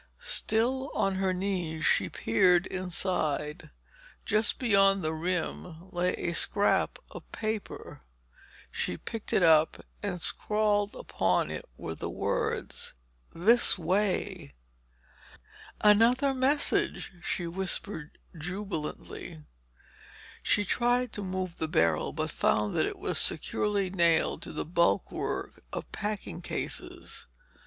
Still on her knees she peered inside. Just beyond the rim lay a scrap of paper. She picked it up and scrawled upon it were the words "This way".... "Another message!" she whispered jubilantly. She tried to move the barrel but found that it was securely nailed to the bulwark of packing cases.